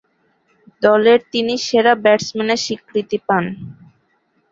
দলের তিনি সেরা ব্যাটসম্যানের স্বীকৃতি পান।